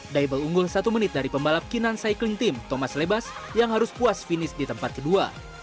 double unggul satu menit dari pembalap kinan cycling team thomas lebas yang harus puas finish di tempat kedua